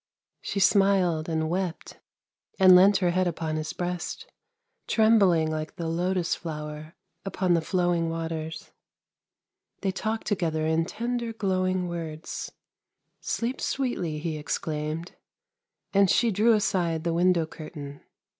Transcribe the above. She smiled and wept and leant her head upon his breast, trembling like the lotus flower upon the flowing waters. They talked together in tender glowing words. ' Sleep sweetly !' he exclaimed, and she drew aside the window curtain.